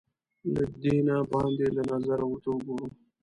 له دینه باندې له نظره ورته وګورو